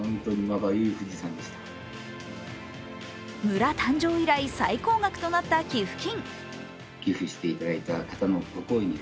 村誕生以来、最高額となった寄付金。